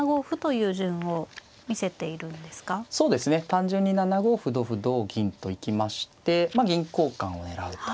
単純に７五歩同歩同銀と行きましてまあ銀交換を狙うと。